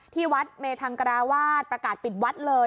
ที่วัดเมธังกราวาสประกาศปิดวัดเลย